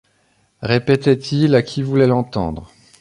répétait-il à qui voulait l’entendre.